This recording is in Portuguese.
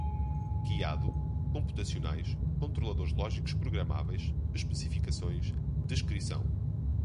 Guiado, computacionais, controladores lógicos programáveis, especificações, descrição